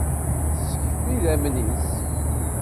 Teskef idammen-is.